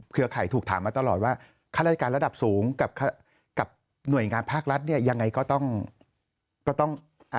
เครือไข่ถูกถามมาตลอดว่าค่ารายการระดับสูงกับหน่วยงานภาครัฐยังไงก็ต้อง